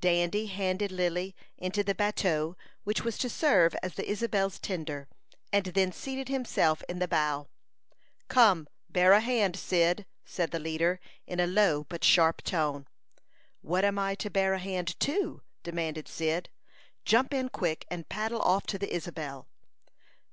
Dandy handed Lily into the bateau which was to serve as the Isabel's tender, and then seated himself in the bow. "Come, bear a hand, Cyd," said the leader, in a low but sharp tone. "What am I to bear a hand to?" demanded Cyd. "Jump in quick, and paddle off to the Isabel."